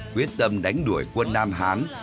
quyết tâm đánh đuổi quân nam hán